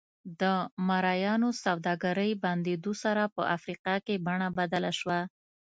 د مریانو سوداګرۍ بندېدو سره په افریقا کې بڼه بدله شوه.